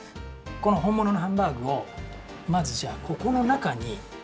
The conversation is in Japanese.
このほんもののハンバーグをまずじゃあここのなかに。